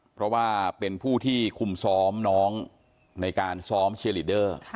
เพราะว่าเป็นผู้ที่คุมซ้อมน้องในการซ้อมเชียร์ลีเดอร์